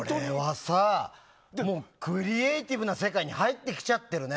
もうクリエーティブな世界に入ってきちゃってるね。